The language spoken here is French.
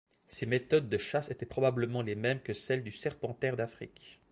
Ses méthodes de chasse étaient probablement les mêmes que celle du serpentaire d'Afrique.